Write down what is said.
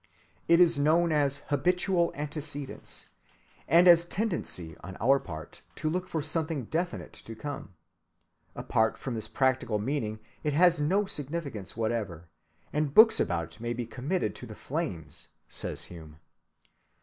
It is known as habitual antecedence, and as tendency on our part to look for something definite to come. Apart from this practical meaning it has no significance whatever, and books about it may be committed to the flames, says Hume.